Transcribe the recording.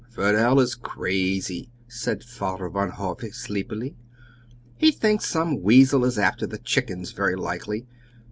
"Fidel is crazy," said Father Van Hove sleepily. "He thinks some weasel is after the chickens very likely.